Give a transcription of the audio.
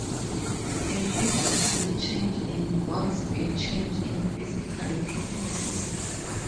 A physical change involves a change in physical properties.